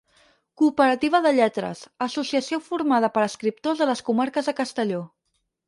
Cooperativa de Lletres; associació formada per escriptors de les comarques de Castelló.